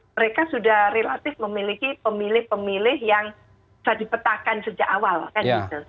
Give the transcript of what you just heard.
mereka sudah relatif memiliki pemilih pemilih yang bisa dipetakan sejak awal kan gitu